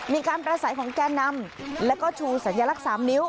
มีการประสัยของแก่นำแล้วก็ชูสัญลักษณ์๓นิ้ว